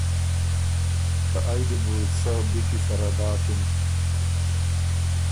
که ائ دی بُو سۀ بی کی سره داکِن۔